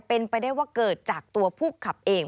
เป็นไปได้ว่าเกิดจากตัวผู้ขับเอง